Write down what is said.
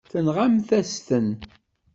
Tenɣamt-as-ten.